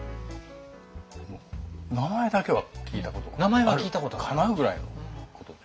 名前だけは聞いたことがあるかなぐらいのことでした。